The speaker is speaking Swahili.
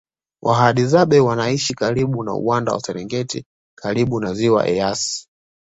Wahadzabe wanaishi karibu na uwanda wa serengeti karibu na ziwa eyasi